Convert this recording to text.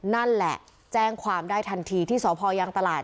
นั่นแหละแจ้งความได้ทันทีที่สพยางตลาด